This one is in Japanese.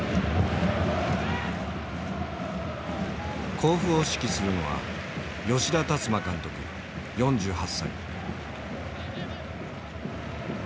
甲府を指揮するのは吉田達磨監督４８歳。